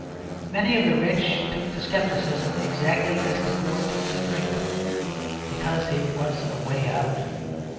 Many of the rich took to scepticism exactly as the poor took to drink; because it was a way out.